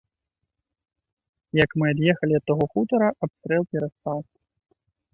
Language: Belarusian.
Як мы ад'ехалі ад таго хутара, абстрэл перастаў.